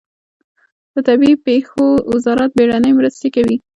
د طبیعي پیښو وزارت بیړنۍ مرستې کوي